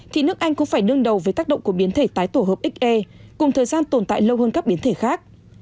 thì nước anh cũng phải đương đầu với tác động của biến thể tái tổ hợp xr cùng thời gian tồn tại lâu hơn các biến thể khác